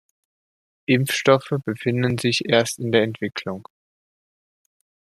Impfstoffe befinden sich erst in der Entwicklung.